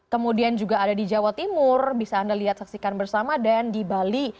kemudian juga ada di jawa timur bisa anda lihat saksikan bersama dan di bali